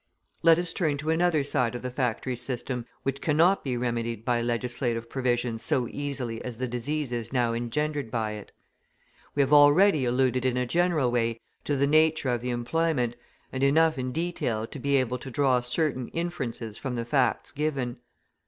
Let us turn to another side of the factory system which cannot be remedied by legislative provisions so easily as the diseases now engendered by it. We have already alluded in a general way to the nature of the employment, and enough in detail to be able to draw certain inferences from the facts given.